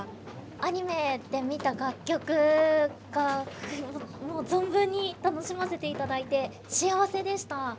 アニメで見た楽曲がもう存分に楽しませて頂いて幸せでした。